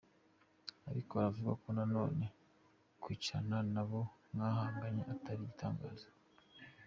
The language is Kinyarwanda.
Ariko aravuga ko nanone kwicarana n'abo mwahanganye atari igitangaza.